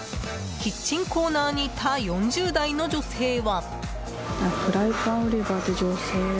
キッチンコーナーにいた４０代の女性は。